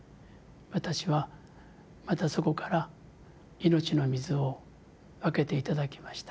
私はまたそこから命の水を分けて頂きました。